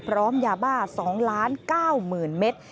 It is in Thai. พร้อมยาบ้า๒ล้าน๙หมื่นเมตร